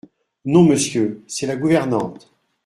Non, Monsieur, c’est la gouvernante.